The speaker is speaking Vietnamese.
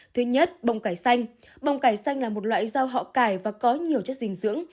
thứ nhất bông cải xanh bông cải xanh là một loại rau họ cải và có nhiều chất dinh dưỡng